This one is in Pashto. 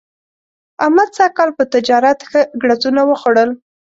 احمد سږ کال په تجارت ښه ګړزونه وخوړل.